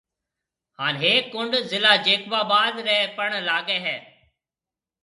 ھان ھيَََڪ ڪُنڊ ضلع جيڪب آباد رَي پڻ لاگيَ ھيََََ